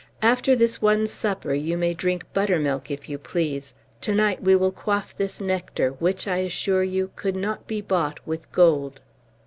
After this one supper, you may drink buttermilk, if you please. To night we will quaff this nectar, which, I assure you, could not be bought with gold."